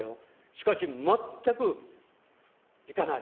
しかし、全く行かない。